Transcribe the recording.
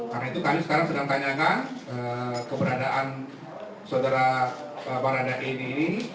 karena itu kami sekarang sedang tanyakan keberadaan saudara barada e ini